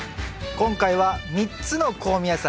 今回は３つの香味野菜。